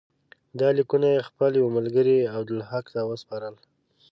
دا لیکونه یې خپل یوه ملګري عبدالحق ته وسپارل.